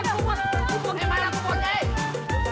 jangan pake celen gadoh aja juga